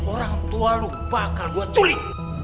orang tua lu bakal gua culi